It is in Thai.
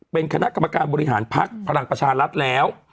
เป็นคณะกรรมการบริหารพักพลังประชารัฐแล้ว